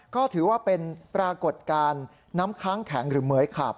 ก็ถือว่าเป็นปรากฏการณ์น้ำค้างแข็งหรือเหมือยขาบ